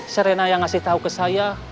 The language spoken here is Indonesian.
serena yang ngasih tahu ke saya